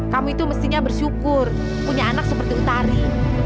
kamu itu mestinya bersyukur punya anak seperti utari